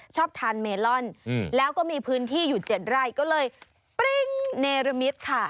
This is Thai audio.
ชอบทานเมลอนแล้วก็มีพื้นที่อยู่๗ไร่ก็เลยปริ้งเนรมิตค่ะ